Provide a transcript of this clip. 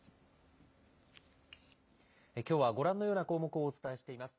きょうはご覧のような項目をお伝えしています。